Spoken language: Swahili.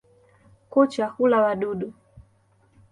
Kucha hula wadudu.